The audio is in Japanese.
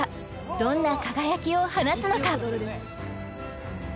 どんな輝きを放つのか